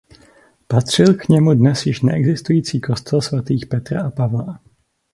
Patřil k němu dnes již neexistující kostel svatých Petra a Pavla.